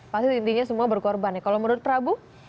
pasti intinya semua berkorban ya kalau menurut prabu